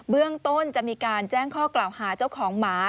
เรื่องต้นจะมีการแจ้งข้อกล่าวหาเจ้าของหมา